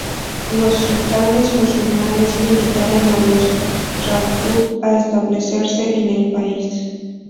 Los sultanes musulmanes invitaron a los Rajput a establecerse en el país.